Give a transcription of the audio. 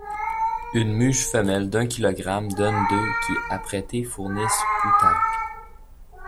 Une muge femelle d'un kilogramme donne d'œufs qui apprêtés fournissent de poutargue.